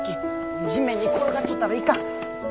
地面に転がっちょったらいかん！